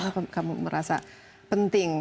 kenapa kamu merasa penting